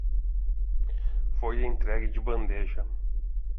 Foi entregue de bandeja